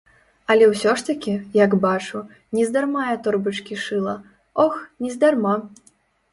Але ўсё ж такі, як бачу, нездарма я торбачкі шыла, ох, нездарма!